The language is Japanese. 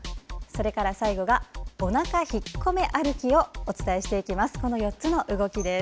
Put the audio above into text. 最後に、おなか引っこめ歩きをお伝えしていきます。